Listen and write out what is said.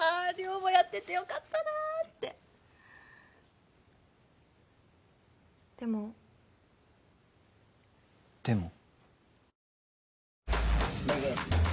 寮母やっててよかったなあってでもでも？